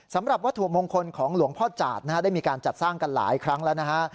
สำหรับวัตถุมงคลของหลวงพ่อจาดนะฮะได้มีการจัดสร้างกันหลายครั้งแล้วนะฮะ